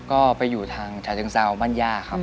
ก็ไปอยู่ทางชาเชิงเซาบ้านย่าครับ